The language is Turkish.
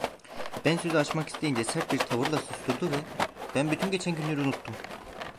Ben sözü açmak isteyince sert bir tavırla susturdu ve: 'Ben bütün geçen günleri unuttum.